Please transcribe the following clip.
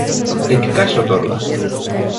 El que calla, otorga.